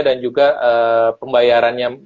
dan juga pembayarannya